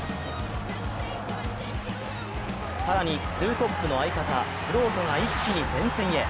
更にツートップの相方、フロートが一気に前線へ。